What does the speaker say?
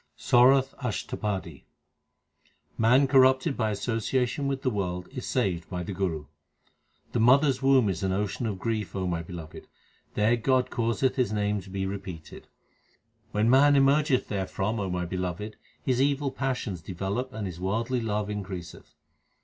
SORATH ASHTAPADI Man corrupted by association with the world is saved by the Guru : The mother s womb is an ocean of grief, O my Beloved ; there God causeth His name to be repeated. When man emergeth therefrom, O my Beloved, his evil passions develop and his worldly love increaseth.